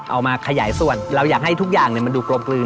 เอามาขยายส่วนเราอยากให้ทุกอย่างมันดูกลมกลืน